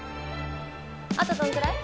あとどのくらい？